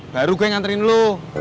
baru gue nganterin lu